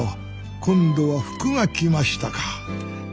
今度は福が来ましたか。